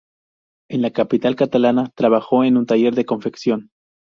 En la capital catalana trabajó en un taller de confección.